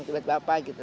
dibet bapak gitu